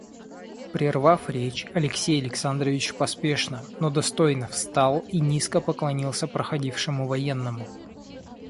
Прервав речь, Алексей Александрович поспешно, но достойно встал и низко поклонился проходившему военному.